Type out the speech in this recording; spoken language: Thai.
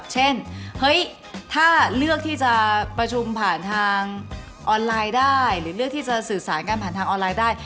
เช่นเฮ้ยถ้าเลือกที่จะประชุมผ่านทางออนไลน์ได้หรือเลือกที่จะสื่อสารกันผ่านทางออนไลน์ได้